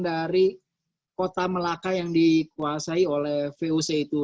dari kota melaka yang dikuasai oleh voc itu